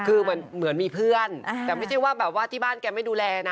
คือเหมือนมีเพื่อนแต่ไม่ใช่ว่าแบบว่าที่บ้านแกไม่ดูแลนะ